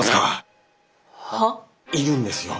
いるんですよ。